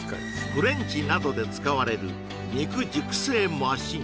フレンチなどで使われる肉熟成マシーン